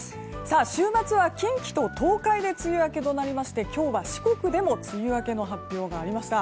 週末は近畿と東海で梅雨明けとなりまして今日は四国でも梅雨明けの発表がありました。